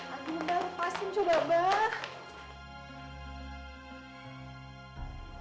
adi moe daud lepasin coba abah